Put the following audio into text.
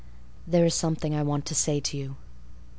"There is something I want to say to you."